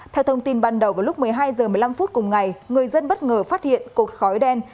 theo thông tin ban đầu vào lúc một mươi hai h một mươi năm phút cùng ngày người dân bất ngờ phát hiện cột khói đen